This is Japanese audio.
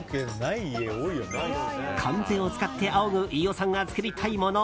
カンペを使ってあおぐ飯尾さんが作りたいもの